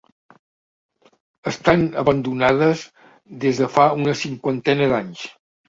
Estan abandonades des de fa una cinquantena d'anys.